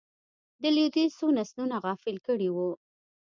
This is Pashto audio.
د لوېدیځ څو نسلونه غافل کړي وو.